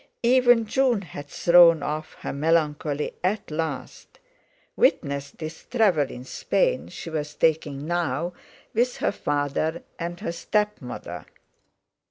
Even June had thrown off her melancholy at last—witness this travel in Spain she was taking now with her father and her stepmother.